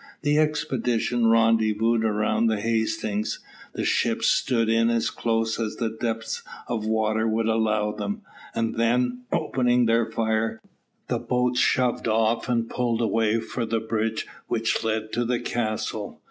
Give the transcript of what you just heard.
The expedition rendezvoused round the Hastings. The ships stood in as close as the depth of water would allow them, and then, opening their fire, the boats shoved off and pulled away for the bridge which led to the castle.